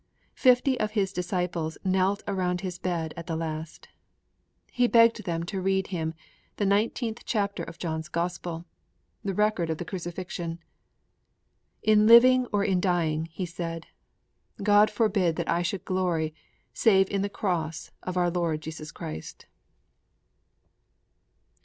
Fifty of his disciples knelt around his bed at the last. He begged them to read to him the 19th chapter of John's gospel the record of the Crucifixion. 'In living or in dying,' he said, '_God forbid that I should glory save in the Cross of our Lord Jesus Christ!